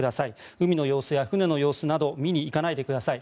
海の様子や船の様子など見に行かないでください。